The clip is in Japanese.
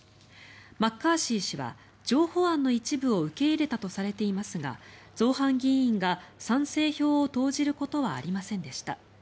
マッカーシー氏は譲歩案の一部を受け入れたとされていますが造反議員が賛成票を投じることはありませんでした。